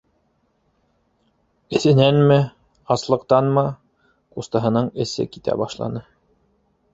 Эҫенәнме, аслыҡтанмы - ҡустыһының эсе китә башланы.